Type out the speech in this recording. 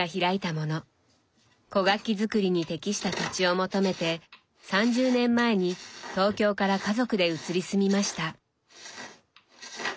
古楽器作りに適した土地を求めて３０年前に東京から家族で移り住みました。